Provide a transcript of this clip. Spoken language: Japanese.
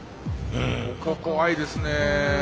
ここ怖いですね。